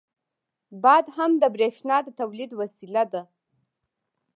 • باد هم د برېښنا د تولید وسیله ده.